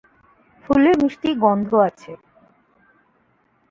ফুলে মিষ্টি গন্ধ আছে।